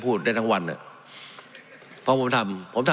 ด่วนไว้ว่าสักการณ์ตั้งโมงคติว่าที่เราเป็น๑๓๐๐บาท